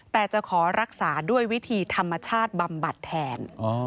แต่จะขอรักษาด้วยวิธีธรรมชาติบำบัดแทน